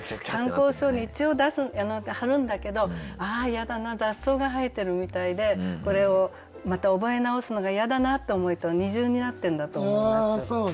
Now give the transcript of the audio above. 参考書に一応貼るんだけどああ嫌だな雑草が生えてるみたいでこれをまた覚え直すのが嫌だなって思いと二重になってるんだと思います。